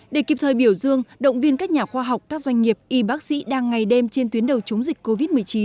để kịp thời biểu dương động viên các nhà khoa học các doanh nghiệp y bác sĩ đang ngày đêm trên tuyến đầu chống dịch covid một mươi chín